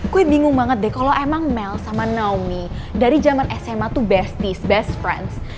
gue bingung banget deh kalau emang mel sama naomi dari zaman sma tuh best best friends